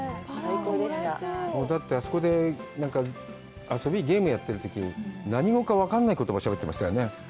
だって、あそこで遊び、ゲームやってるとき、何語が分からない言葉をしゃべってましたね。